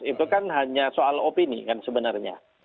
itu kan hanya soal opini kan sebenarnya